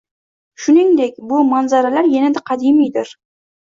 Shuningdek bu manzaralar yanada qadimiydir.